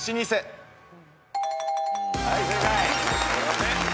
はい正解。